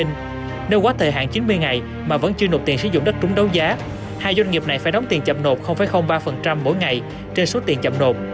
nếu quá thời hạn chín mươi ngày mà vẫn chưa nộp tiền sử dụng đất trúng đấu giá hai doanh nghiệp này phải đóng tiền chậm nộp ba mỗi ngày trên số tiền chậm nộp